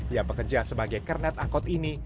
yang bekerja sebagai kernet angkot ini